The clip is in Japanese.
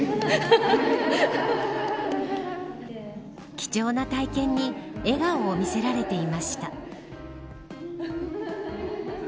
貴重な体験に笑顔を見せられていました。